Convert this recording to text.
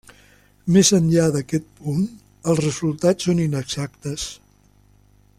Més enllà d'aquest punt els resultats són inexactes.